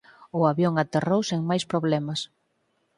O avión aterrou sen máis problemas.